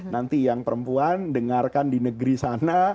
nanti yang perempuan dengarkan di negeri sana